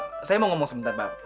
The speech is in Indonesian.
saya mau ngomong sebentar pak